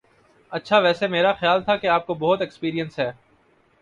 اچھا ویسے میرا خیال تھا کہ آپ کو بہت ایکسپیرینس ہے